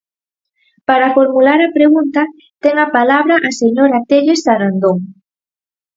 Para formular a pregunta, ten a palabra a señora Telles Sarandón.